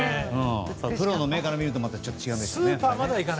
プロの目から見るとまたちょっと違うんでしょうね。